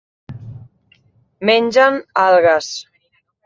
Mengen algues.